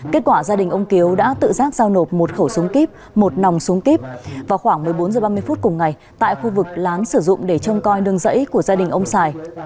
kết quả gia đình ông kiếu đã tự giác giao nộp một khẩu súng kíp một nòng súng kíp vào khoảng một mươi bốn h ba mươi phút cùng ngày tại khu vực lán sử dụng để trông coi nương rẫy của gia đình ông sài